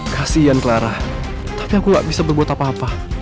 kasian clara tapi aku gak bisa berbuat apa apa